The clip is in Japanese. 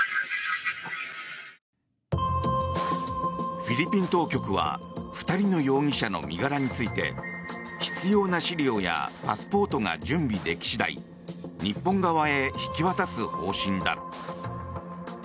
フィリピン当局は２人の容疑者の身柄について必要な資料やパスポートが準備でき次第日本側へ引き渡す方針だ。